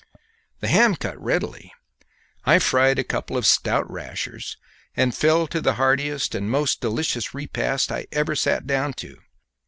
The ham cut readily; I fried a couple of stout rashers, and fell to the heartiest and most delicious repast I ever sat down to.